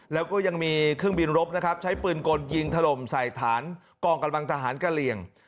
แล้วก็ยังมีเครื่องบินรบนะครับใช้ปืนกลยิงถล่มใส่ฐานกองกำลังทหารกะเหลี่ยง